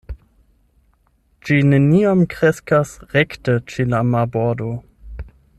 Ĝi neniam kreskas rekte ĉe la marbordo.